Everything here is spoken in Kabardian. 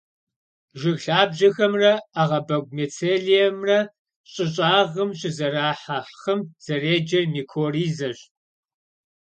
Жыг лъабжьэхэмрэ ӏэгъэбэгу мицелиимрэ щӏы щӏыгъым щызэрахъэ хъым зэреджэр микоризэщ.